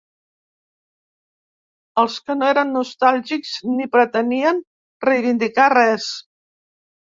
Els que no eren nostàlgics ni pretenien reivindicar res.